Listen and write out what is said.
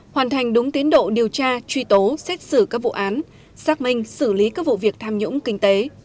hoàn thành đúng tiến độ điều tra truy tố xét xử các vụ án xác minh xử lý các vụ việc tham nhũng kinh tế